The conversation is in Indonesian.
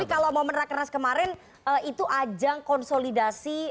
tapi kalau momen rakernas kemarin itu ajang konsolidasi